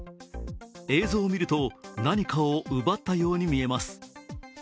映像を見ると、何かを奪ったように見えます。